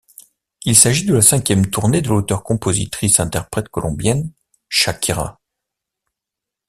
Il s'agit de la cinquième tournée de l'auteur-compositrice-interprète colombienne, Shakira.